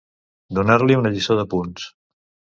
Donar-li una lliçó de punts.